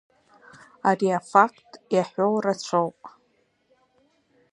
Ари афакт иаҳәо рацәоуп.